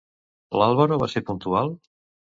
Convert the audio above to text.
LÁlvaro va ser puntual?